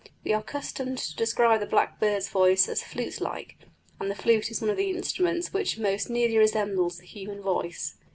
We are accustomed to describe the blackbird's voice as flute like, and the flute is one of the instruments which most nearly resemble the human voice.